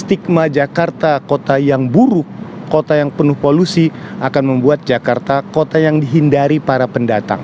stigma jakarta kota yang buruk kota yang penuh polusi akan membuat jakarta kota yang dihindari para pendatang